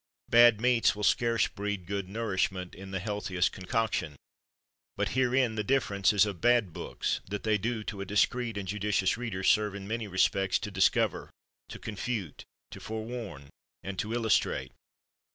Bad meats will scarce breed good nourishment in the healthiest concoction; but herein the difference is of bad books, that they to a discreet and judi cious reader serve in many respects to discover, to confute, to forewarn, and to illustrate.